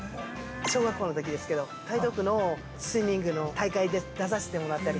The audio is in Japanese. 小学校のときですけど台東区のスイミングの大会出させてもらったり。